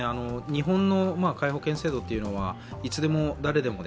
日本の皆保険制度というのはいつでも誰でも